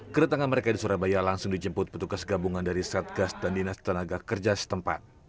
kedatangan mereka di surabaya langsung dijemput petugas gabungan dari satgas dan dinas tenaga kerja setempat